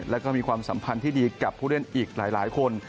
แล้วก็มีความสัมพันธ์ที่ดีกับผู้เล่นอีกหลายคน